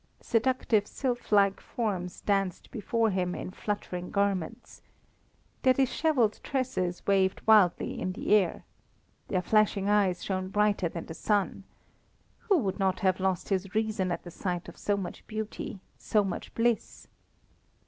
Seductive, sylph like forms danced before him in fluttering garments. Their dishevelled tresses waved wildly in the air. Their flashing eyes shone brighter than the sun. Who would not have lost his reason at the sight of so much beauty, so much bliss?